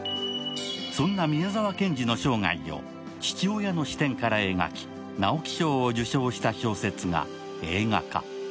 そんな宮沢賢治の生涯を父親の視点から描き直木賞を受賞した小説が映画化。